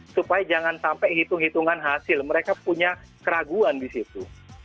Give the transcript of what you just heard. supaya jangan sampai hitung hitungan hasil mereka punya keraguan di situ